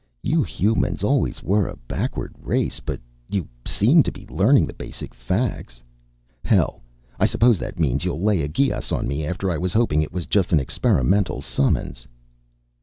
You humans always were a backward race, but you seemed to be learning the basic facts. Hell, I suppose that means you'll lay a geas on me, after I was hoping it was just an experimental summons!"